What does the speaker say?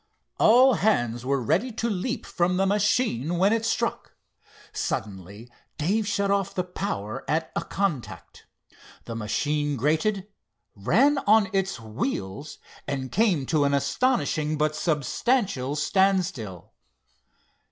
All hands were ready to leap from the machine when it struck. Suddenly Dave shut off the power at a contact. The machine grated, ran on its wheels, and came to an astonishing but substantial standstill.